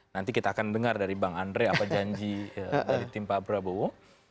nanti kita akan dengar dari bang andre apa janji dari tim pak prabowo